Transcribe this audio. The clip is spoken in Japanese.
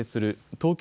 東京